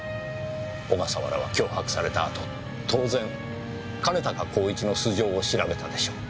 小笠原は脅迫されたあと当然兼高公一の素性を調べたでしょう。